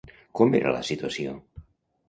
Com era la situació?